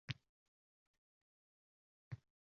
oxirgi tayyor mahsulotga uning mehnati eng ko’p singgan bo’ladi